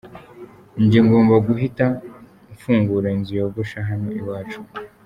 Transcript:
Njyewe ngomba guhita mfungura inzu yogosha hano iwacu.